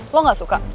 lo gak suka